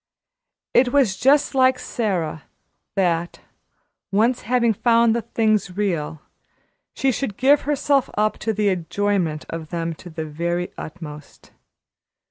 It was just like Sara, that, once having found the things real, she should give herself up to the enjoyment of them to the very utmost.